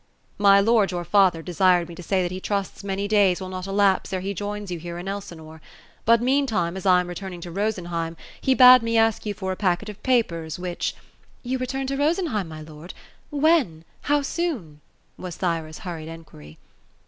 "My lord, your father, desired me to say that he trusts many days will not elapse ere he joins you here in Blsinore ; but meantime, as I am returning to Rosenheim, he bade me ask you for a packet of papers, which "" You return to Rosenheim, my lord ? When ? How soon ?'* was Thyra's hurried enquiry.